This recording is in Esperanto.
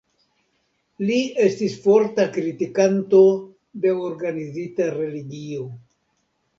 Li estis forta kritikanto de organizita religio.